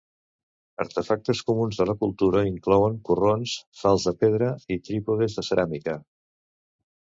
Artefactes comuns de la cultura inclouen corrons, falçs de pedra i trípodes de ceràmica.